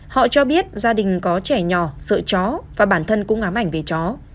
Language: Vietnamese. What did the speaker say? họ cho biết gia đình có trẻ nhỏ sợ chó và bản thân cũng ám ảnh về chó